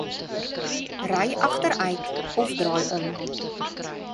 Ry agteruit of draai om.